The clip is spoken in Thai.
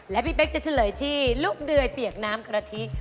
และพี่เป๊กจะเฉลยที่ลูกเดยเปียกน้ำกะทิ